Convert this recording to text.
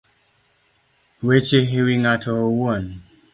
Weche e wi ng'ato owuon